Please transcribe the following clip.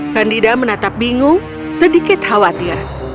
candida menatap bingung sedikit khawatir